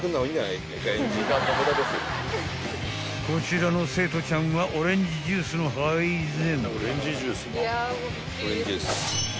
［こちらの生徒ちゃんはオレンジジュースの配膳］